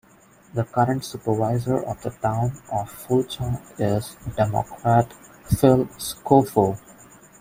The current Supervisor of the town of Fulton is Democrat Phil Skowfoe.